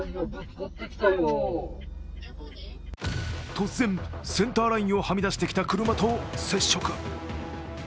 突然、センターラインをはみ出してきた車と接触。